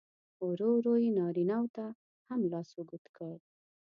ورو ورو یې نارینه و ته هم لاس اوږد کړ.